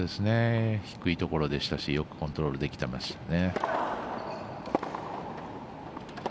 低いところでしたしよくコントロールできてましたね。